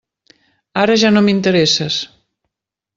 Ara ja no m'interesses.